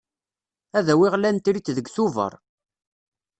Ad awiɣ lantrit deg Tubeṛ.